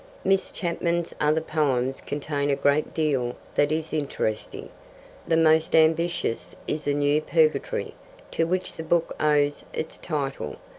Miss Chapman's other poems contain a great deal that is interesting. The most ambitious is The New Purgatory, to which the book owes its title.